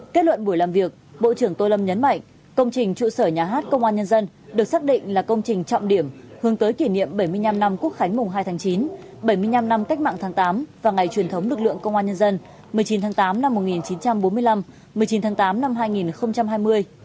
kết luận buổi làm việc bộ trưởng tô lâm nhấn mạnh công trình trụ sở nhà hát công an nhân dân được xác định là công trình trọng điểm hướng tới kỷ niệm bảy mươi năm năm quốc khánh mùng hai tháng chín bảy mươi năm năm cách mạng tháng tám và ngày truyền thống lực lượng công an nhân dân một mươi chín tháng tám năm một nghìn chín trăm bốn mươi năm một mươi chín tháng tám năm hai nghìn hai mươi